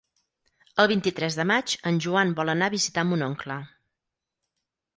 El vint-i-tres de maig en Joan vol anar a visitar mon oncle.